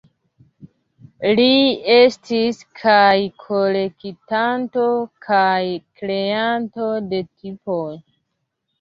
Li estis kaj kolektanto kaj kreanto de tipoj.